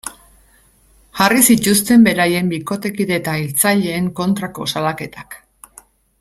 Jarri zituzten beraien bikotekide eta hiltzaileen kontrako salaketak.